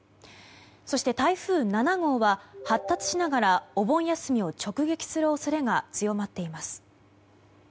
そして台風７号は発達しながらお盆休みを直撃する恐れが強まっています。